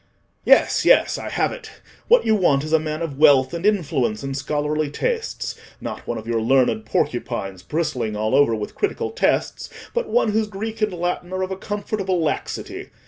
Yes, yes, I have it. What you want is a man of wealth, and influence, and scholarly tastes—not one of your learned porcupines, bristling all over with critical tests, but one whose Greek and Latin are of a comfortable laxity.